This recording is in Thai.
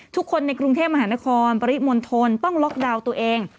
ทุกคนในกรุงเทพมหานครปริมณฑลต้องล็อกดาวน์ตัวเอง